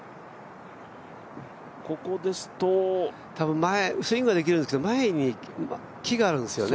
ここですと多分スイングはできるんですけど、前に木があるんですよね。